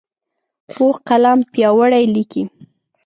پوخ قلم پیاوړی لیکي